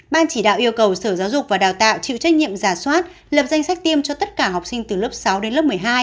ban chỉ đạo yêu cầu sở giáo dục và đào tạo chịu trách nhiệm giả soát lập danh sách tiêm cho tất cả học sinh từ lớp sáu đến lớp một mươi hai